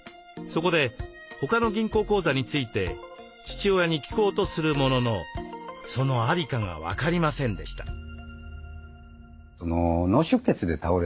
そこで他の銀行口座について父親に聞こうとするもののその在りかが分かりませんでした。